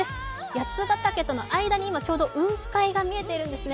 八ヶ岳との間に今、ちょうど雲海が見えているんですね。